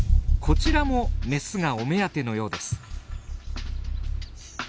こちらもメスがお目当てのようです。